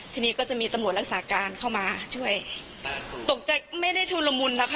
ทีนี้ก็จะมีตำรวจรักษาการเข้ามาช่วยตกใจไม่ได้ชุนละมุนแล้วค่ะ